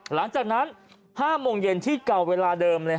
หลังจากนั้น๕โมงเย็นที่เก่าเวลาเดิมเลย